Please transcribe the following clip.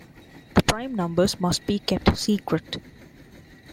The prime numbers must be kept secret.